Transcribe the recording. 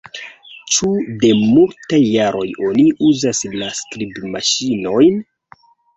Ĉu de multaj jaroj oni uzas la skribmaŝinojn?